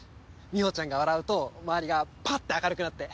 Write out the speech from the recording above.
みほちゃんが笑うと周りがパッて明るくなって。